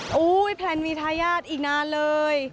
โอ้โหแพลนมีทายาทอีกนานเลย